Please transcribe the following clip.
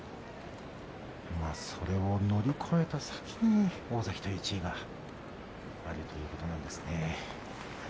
それを乗り越えた先に大関という地位があるんですね。